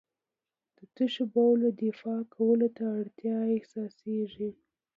د تشو بولو دفع کولو ته اړتیا احساسېږي.